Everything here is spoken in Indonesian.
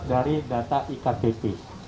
dari data iktp